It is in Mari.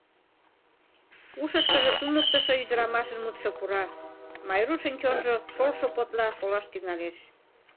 Ушышкыжо туныктышо ӱдырамашын мутшо пура, Майрушын чонжо шолшо подла шолаш тӱҥалеш.